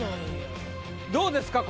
どうですか？